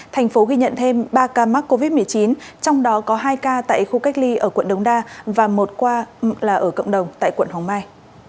thành phố ghi nhận thêm ba ca mắc covid một mươi chín trong đó có hai ca tại khu cách ly ở quận đống đa và một ca là ở cộng đồng tại quận hoàng mai